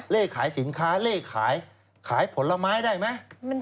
เลขขายสินค้าเลขขายขายผลไม้ได้ไหม